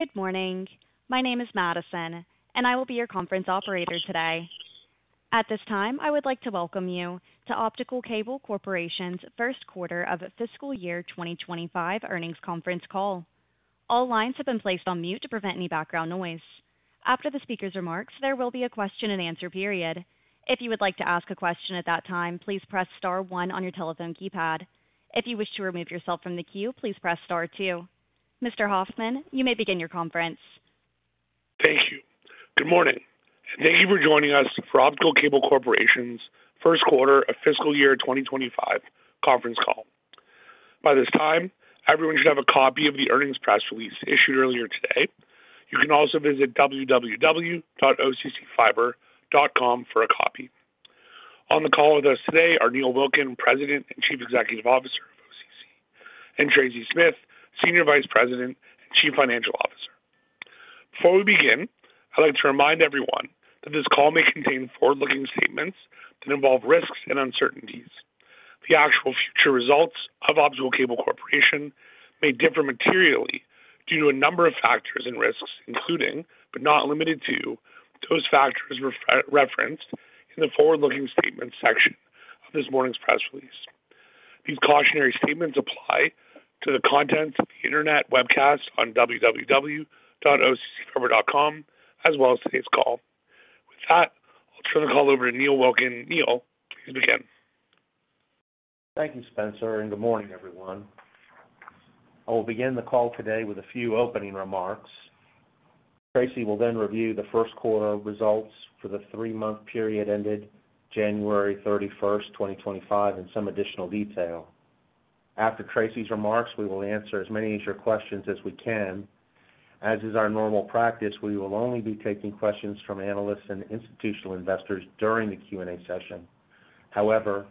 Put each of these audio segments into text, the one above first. Good morning. My name is Madison, and I will be your conference operator today. At this time, I would like to welcome you to Optical Cable Corporation's first quarter of fiscal year 2025 earnings conference call. All lines have been placed on mute to prevent any background noise. After the speaker's remarks, there will be a question-and-answer period. If you would like to ask a question at that time, please press star one on your telephone keypad. If you wish to remove yourself from the queue, please press star two. Mr. Hoffman, you may begin your conference. Thank you. Good morning, and thank you for joining us for Optical Cable Corporation's first quarter of fiscal year 2025 conference call. By this time, everyone should have a copy of the earnings press release issued earlier today. You can also visit www.occfiber.com for a copy. On the call with us today are Neil Wilkin, President and Chief Executive Officer of OCC, and Tracy Smith, Senior Vice President and Chief Financial Officer. Before we begin, I'd like to remind everyone that this call may contain forward-looking statements that involve risks and uncertainties. The actual future results of Optical Cable Corporation may differ materially due to a number of factors and risks, including, but not limited to, those factors referenced in the forward-looking statements section of this morning's press release. These cautionary statements apply to the contents of the internet webcast on www.occfiber.com, as well as today's call. With that, I'll turn the call over to Neil Wilkin. Neil, please begin. Thank you, Spencer, and good morning, everyone. I will begin the call today with a few opening remarks. Tracy will then review the first quarter results for the three-month period ended January 31st, 2025, in some additional detail. After Tracy's remarks, we will answer as many of your questions as we can. As is our normal practice, we will only be taking questions from analysts and institutional investors during the Q&A session. However,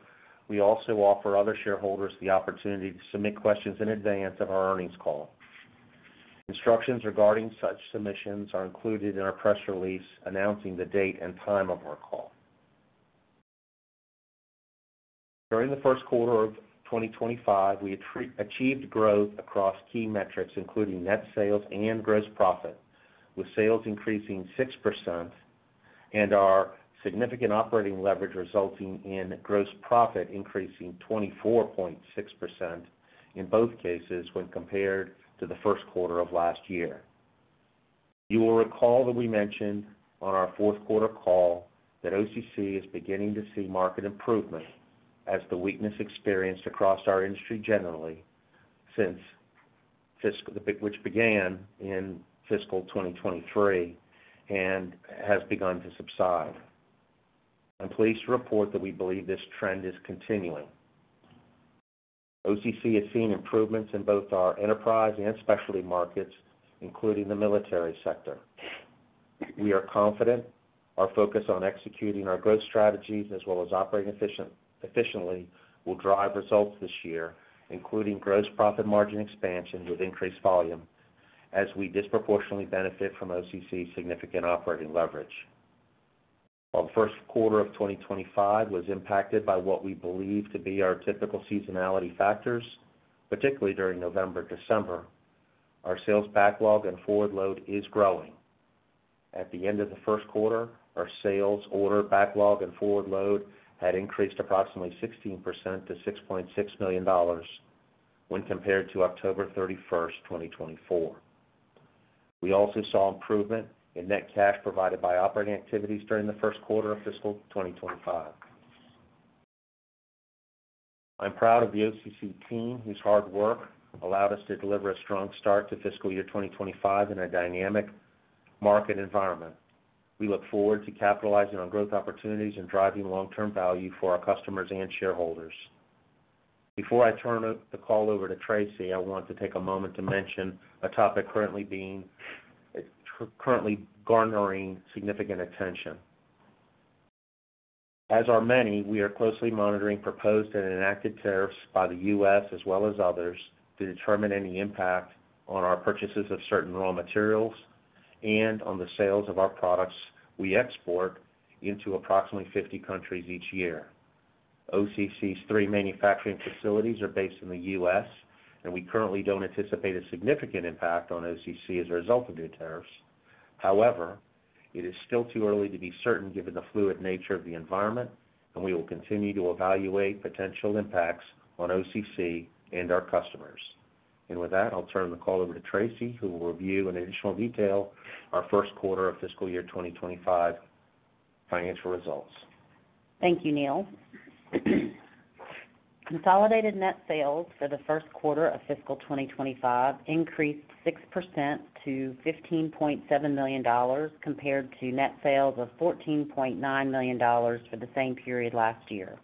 we also offer other shareholders the opportunity to submit questions in advance of our earnings call. Instructions regarding such submissions are included in our press release announcing the date and time of our call. During the first quarter of 2025, we achieved growth across key metrics, including net sales and gross profit, with sales increasing 6% and our significant operating leverage resulting in gross profit increasing 24.6% in both cases when compared to the first quarter of last year. You will recall that we mentioned on our fourth quarter call that OCC is beginning to see market improvement as the weakness experienced across our industry generally since which began in fiscal 2023 and has begun to subside. I'm pleased to report that we believe this trend is continuing. OCC has seen improvements in both our enterprise and specialty markets, including the military sector. We are confident our focus on executing our growth strategies as well as operating efficiently will drive results this year, including gross profit margin expansion with increased volume as we disproportionately benefit from OCC's significant operating leverage. While the first quarter of 2025 was impacted by what we believe to be our typical seasonality factors, particularly during November-December, our sales backlog and forward load is growing. At the end of the first quarter, our sales order backlog and forward load had increased approximately 16% to $6.6 million when compared to October 31st, 2024. We also saw improvement in net cash provided by operating activities during the first quarter of fiscal 2025. I'm proud of the OCC team whose hard work allowed us to deliver a strong start to fiscal year 2025 in a dynamic market environment. We look forward to capitalizing on growth opportunities and driving long-term value for our customers and shareholders. Before I turn the call over to Tracy, I want to take a moment to mention a topic currently garnering significant attention. As are many, we are closely monitoring proposed and enacted tariffs by the U.S. as well as others to determine any impact on our purchases of certain raw materials and on the sales of our products we export into approximately 50 countries each year. OCC's three manufacturing facilities are based in the U.S., and we currently do not anticipate a significant impact on OCC as a result of new tariffs. However, it is still too early to be certain given the fluid nature of the environment, and we will continue to evaluate potential impacts on OCC and our customers. I will turn the call over to Tracy, who will review in additional detail our first quarter of fiscal year 2025 financial results. Thank you, Neil. Consolidated net sales for the first quarter of fiscal 2025 increased 6% to $15.7 million compared to net sales of $14.9 million for the same period last year.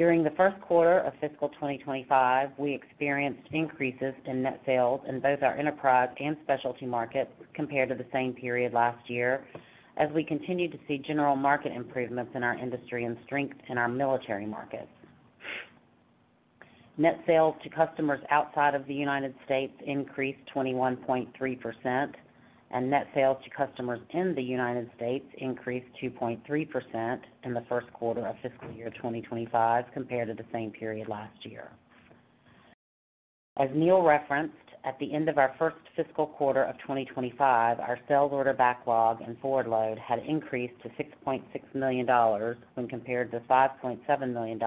During the first quarter of fiscal 2025, we experienced increases in net sales in both our enterprise and specialty markets compared to the same period last year as we continue to see general market improvements in our industry and strength in our military markets. Net sales to customers outside of the U.S. increased 21.3%, and net sales to customers in the U.S. increased 2.3% in the first quarter of fiscal year 2025 compared to the same period last year. As Neil referenced, at the end of our first fiscal quarter of 2025, our sales order backlog and forward load had increased to $6.6 million when compared to $5.7 million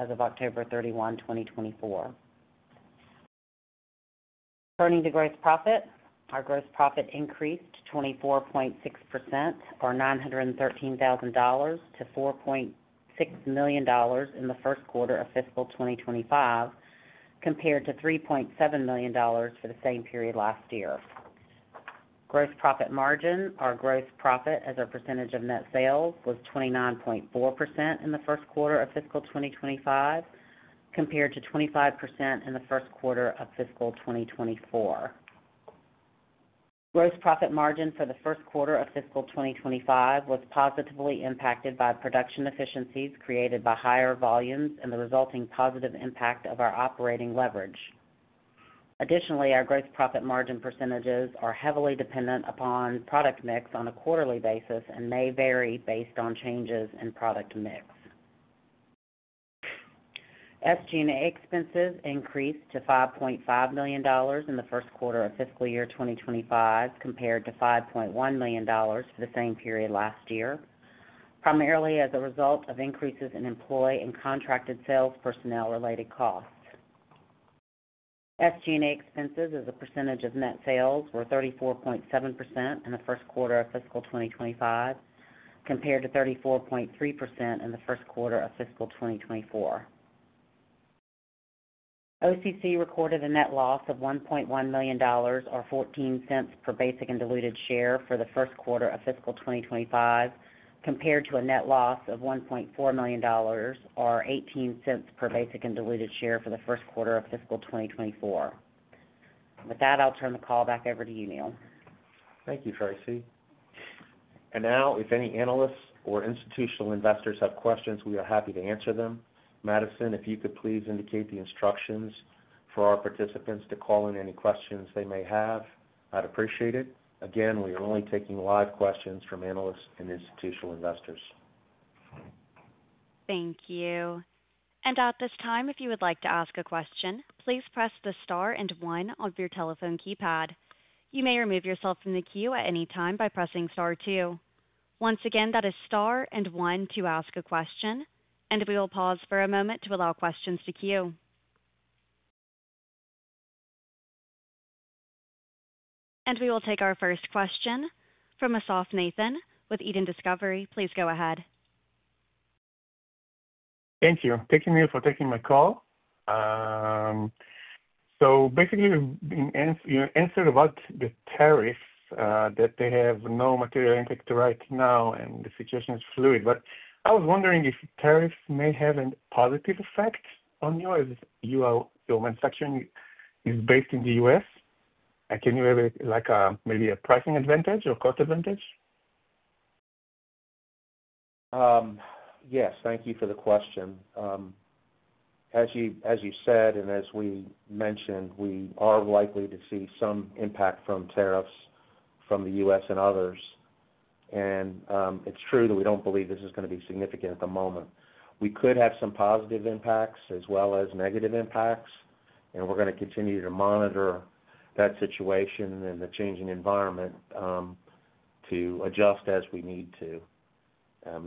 as of October 31st, 2024. Turning to gross profit, our gross profit increased 24.6% or $913,000 to $4.6 million in the first quarter of fiscal 2025 compared to $3.7 million for the same period last year. Gross profit margin, our gross profit as a percentage of net sales, was 29.4% in the first quarter of fiscal 2025 compared to 25% in the first quarter of fiscal 2024. Gross profit margin for the first quarter of fiscal 2025 was positively impacted by production efficiencies created by higher volumes and the resulting positive impact of our operating leverage. Additionally, our gross profit margin percentages are heavily dependent upon product mix on a quarterly basis and may vary based on changes in product mix. SG&A expenses increased to $5.5 million in the first quarter of fiscal year 2025 compared to $5.1 million for the same period last year, primarily as a result of increases in employee and contracted sales personnel-related costs. SG&A expenses as a percentage of net sales were 34.7% in the first quarter of fiscal 2025 compared to 34.3% in the first quarter of fiscal 2024. OCC recorded a net loss of $1.1 million or $0.14 per basic and diluted share for the first quarter of fiscal 2025 compared to a net loss of $1.4 million or $0.18 per basic and diluted share for the first quarter of fiscal 2024. With that, I'll turn the call back over to you, Neil. Thank you, Tracy. Now, if any analysts or institutional investors have questions, we are happy to answer them. Madison, if you could please indicate the instructions for our participants to call in any questions they may have, I would appreciate it. Again, we are only taking live questions from analysts and institutional investors. Thank you. At this time, if you would like to ask a question, please press the star and one on your telephone keypad. You may remove yourself from the queue at any time by pressing star two. Once again, that is star and one to ask a question. We will pause for a moment to allow questions to queue. We will take our first question from Asaf Nathan with Eden Discovery. Please go ahead. Thank you. Thank you, Neil, for taking my call. You answered about the tariffs that they have no material impact right now, and the situation is fluid. I was wondering if tariffs may have a positive effect on you as your manufacturing is based in the U.S.? Can you have maybe a pricing advantage or cost advantage? Yes, thank you for the question. As you said and as we mentioned, we are likely to see some impact from tariffs from the U.S. and others. It is true that we do not believe this is going to be significant at the moment. We could have some positive impacts as well as negative impacts, and we are going to continue to monitor that situation and the changing environment to adjust as we need to.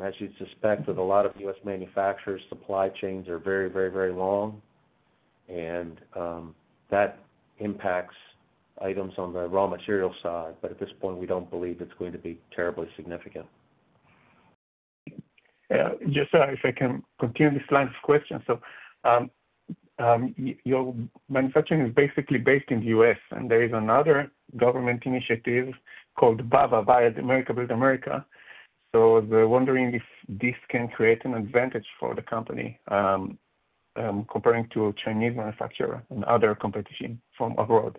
As you suspect, with a lot of U.S. manufacturers, supply chains are very, very, very long, and that impacts items on the raw material side. At this point, we do not believe it is going to be terribly significant. Just if I can continue this line of questions. Your manufacturing is basically based in the U.S., and there is another government initiative called BABA, Build America, Buy America. They are wondering if this can create an advantage for the company comparing to a Chinese manufacturer and other competition from abroad.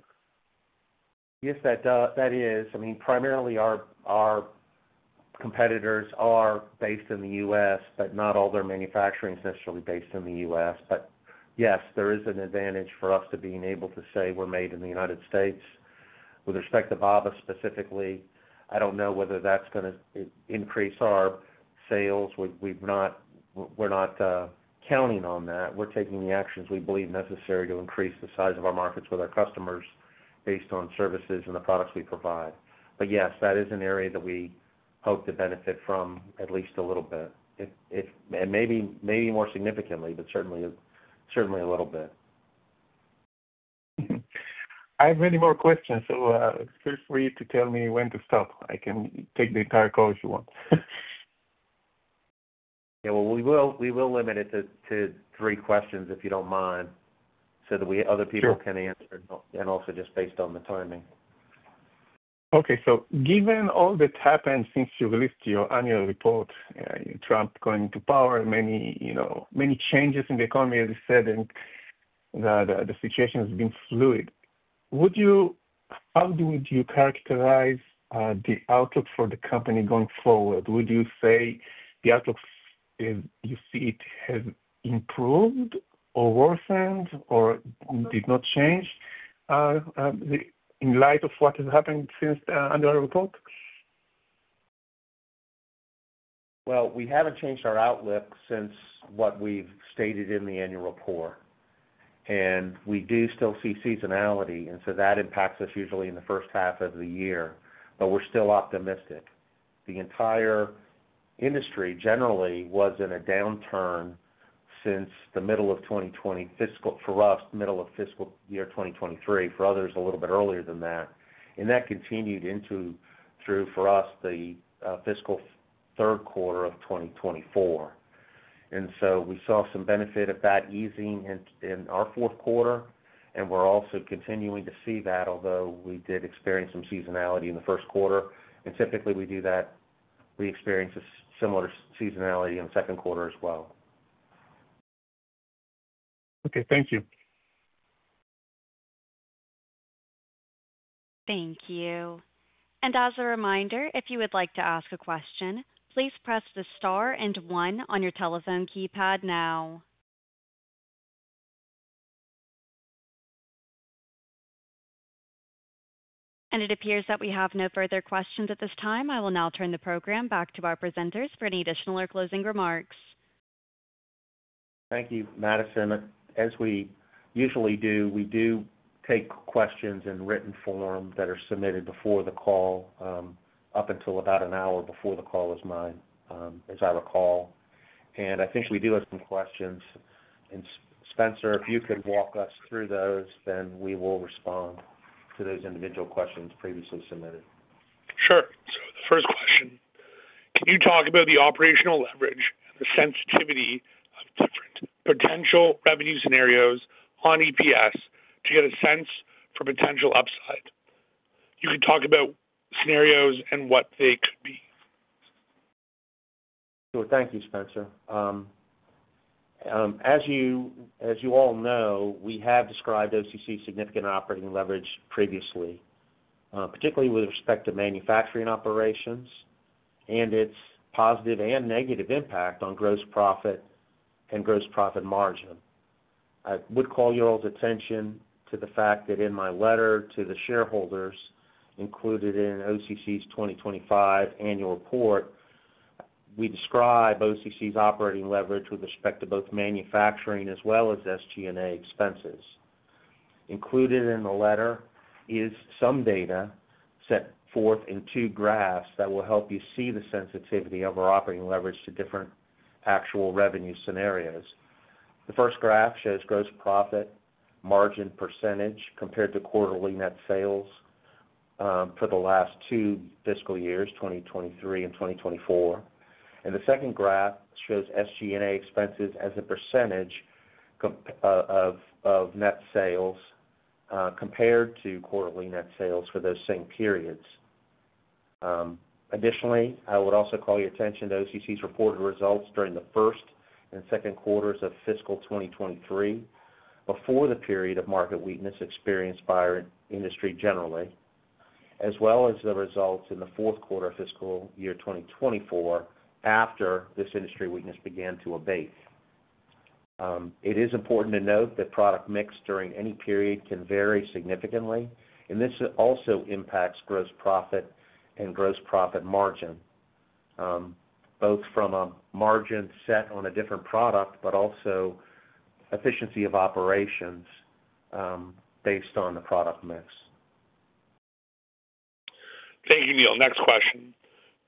Yes, that is. I mean, primarily, our competitors are based in the U.S., but not all their manufacturing is necessarily based in the U.S. Yes, there is an advantage for us to being able to say we're made in the United States. With respect to BABA specifically, I don't know whether that's going to increase our sales. We're not counting on that. We're taking the actions we believe necessary to increase the size of our markets with our customers based on services and the products we provide. Yes, that is an area that we hope to benefit from at least a little bit. Maybe more significantly, but certainly a little bit. I have many more questions, so feel free to tell me when to stop. I can take the entire call if you want. Yeah, we will limit it to three questions if you don't mind so that other people can answer and also just based on the timing. Okay. Given all that happened since you released your annual report, Trump going to power, many changes in the economy, as you said, and the situation has been fluid, how would you characterize the outlook for the company going forward? Would you say the outlook you see has improved or worsened or did not change in light of what has happened since the annual report? We have not changed our outlook since what we have stated in the annual report. We do still see seasonality, and so that impacts us usually in the first half of the year, but we are still optimistic. The entire industry generally was in a downturn since the middle of 2020 for us, middle of fiscal year 2023. For others, a little bit earlier than that. That continued through for us the fiscal third quarter of 2024. We saw some benefit of that easing in our fourth quarter, and we are also continuing to see that, although we did experience some seasonality in the first quarter. Typically, we do that. We experience similar seasonality in the second quarter as well. Okay. Thank you. Thank you. As a reminder, if you would like to ask a question, please press the star and one on your telephone keypad now. It appears that we have no further questions at this time. I will now turn the program back to our presenters for any additional or closing remarks. Thank you, Madison. As we usually do, we do take questions in written form that are submitted before the call up until about an hour before the call is mine, as I recall. I think we do have some questions. Spencer, if you could walk us through those, we will respond to those individual questions previously submitted. Sure. The first question, can you talk about the operational leverage and the sensitivity of different potential revenue scenarios on EPS to get a sense for potential upside? You can talk about scenarios and what they could be. Sure. Thank you, Spencer. As you all know, we have described OCC's significant operating leverage previously, particularly with respect to manufacturing operations and its positive and negative impact on gross profit and gross profit margin. I would call your all's attention to the fact that in my letter to the shareholders included in OCC's 2025 annual report, we describe OCC's operating leverage with respect to both manufacturing as well as SG&A expenses. Included in the letter is some data set forth in two graphs that will help you see the sensitivity of our operating leverage to different actual revenue scenarios. The first graph shows gross profit margin % compared to quarterly net sales for the last two fiscal years, 2023 and 2024. The second graph shows SG&A expenses as a % of net sales compared to quarterly net sales for those same periods. Additionally, I would also call your attention to OCC's reported results during the first and second quarters of fiscal 2023 before the period of market weakness experienced by our industry generally, as well as the results in the fourth quarter of fiscal year 2024 after this industry weakness began to abate. It is important to note that product mix during any period can vary significantly, and this also impacts gross profit and gross profit margin, both from a margin set on a different product, but also efficiency of operations based on the product mix. Thank you, Neil. Next question.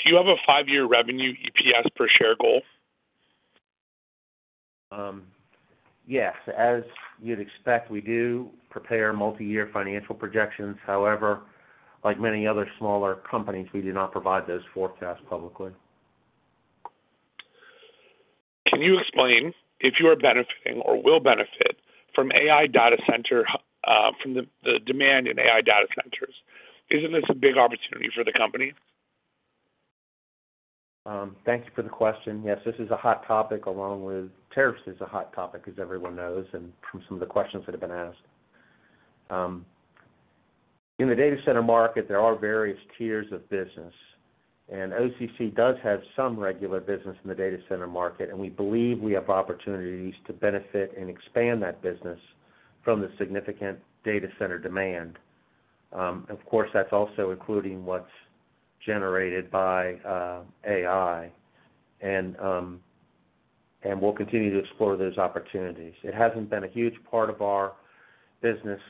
Do you have a five-year revenue EPS per share goal? Yes. As you'd expect, we do prepare multi-year financial projections. However, like many other smaller companies, we do not provide those forecasts publicly. Can you explain if you are benefiting or will benefit from the demand in AI data centers? Isn't this a big opportunity for the company? Thank you for the question. Yes, this is a hot topic along with tariffs, as everyone knows, and from some of the questions that have been asked. In the data center market, there are various tiers of business, and OCC does have some regular business in the data center market, and we believe we have opportunities to benefit and expand that business from the significant data center demand. Of course, that's also including what's generated by AI, and we'll continue to explore those opportunities. It hasn't been a huge part of our business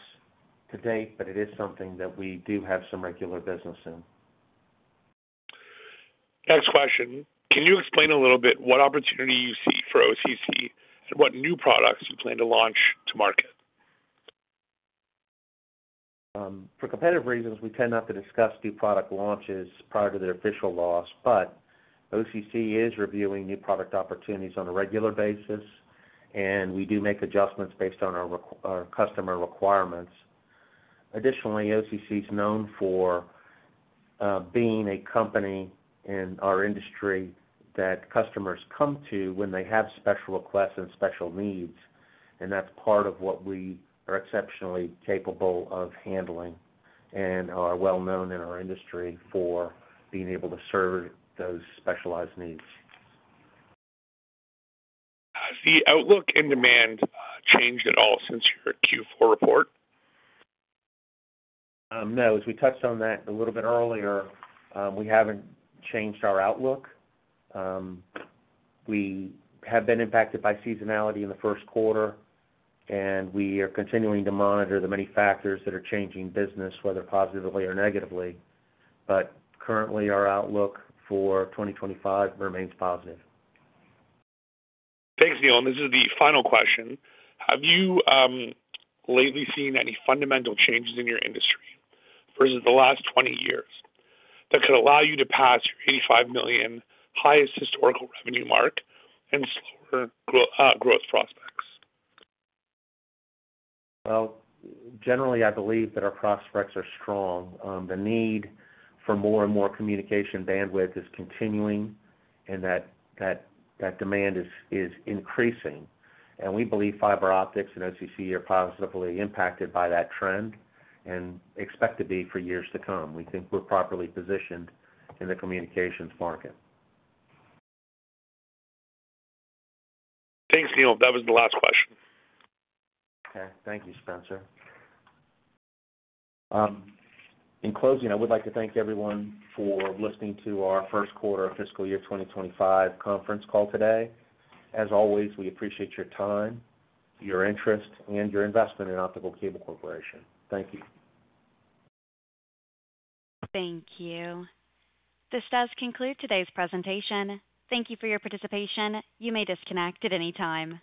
to date, but it is something that we do have some regular business in. Next question. Can you explain a little bit what opportunity you see for OCC and what new products you plan to launch to market? For competitive reasons, we tend not to discuss new product launches prior to their official launch, but OCC is reviewing new product opportunities on a regular basis, and we do make adjustments based on our customer requirements. Additionally, OCC is known for being a company in our industry that customers come to when they have special requests and special needs, and that's part of what we are exceptionally capable of handling and are well-known in our industry for being able to serve those specialized needs. Has the outlook and demand changed at all since your Q4 report? No. As we touched on that a little bit earlier, we haven't changed our outlook. We have been impacted by seasonality in the first quarter, and we are continuing to monitor the many factors that are changing business, whether positively or negatively. Currently, our outlook for 2025 remains positive. Thanks, Neil. This is the final question. Have you lately seen any fundamental changes in your industry versus the last 20 years that could allow you to pass your $85 million highest historical revenue mark and slower growth prospects? I believe that our prospects are strong. The need for more and more communication bandwidth is continuing, and that demand is increasing. We believe fiber optics and OCC are positively impacted by that trend and expect to be for years to come. We think we're properly positioned in the communications market. Thanks, Neil. That was the last question. Okay. Thank you, Spencer. In closing, I would like to thank everyone for listening to our first quarter of fiscal year 2025 conference call today. As always, we appreciate your time, your interest, and your investment in Optical Cable Corporation. Thank you. Thank you. This does conclude today's presentation. Thank you for your participation. You may disconnect at any time.